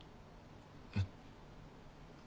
えっ。